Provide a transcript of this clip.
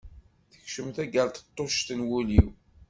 Tekcem tageṛṭeṭṭuct n wul-iw.